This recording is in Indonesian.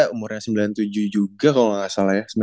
umurnya sembilan puluh tujuh juga kalau nggak salah ya